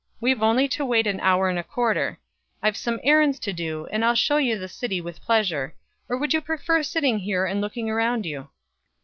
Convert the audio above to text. We've only to wait an hour and a quarter. I've some errands to do, and I'll show you the city with pleasure; or would you prefer sitting here and looking around you?"